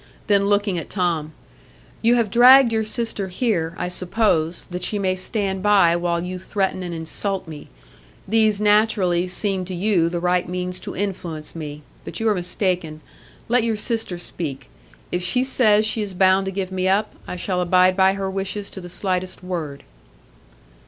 Then looking at Tom, "You have dragged your sister here, I suppose, that she may stand by while you threaten and insult me. These naturally seemed to you the right means to influence me. But you are mistaken. Let your sister speak. If she says she is bound to give me up, I shall abide by her wishes to the slightest word."